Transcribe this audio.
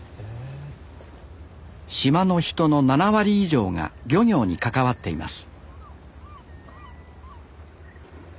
島の人の７割以上が漁業に関わっています